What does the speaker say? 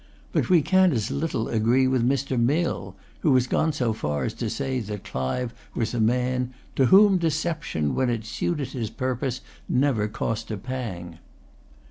But we can as little agree with Mr. Mill, who has gone so far as to say that Clive was a man "to whom deception, when it suited his purpose, never cost a pang."